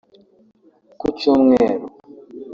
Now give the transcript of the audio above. Ku cyumweru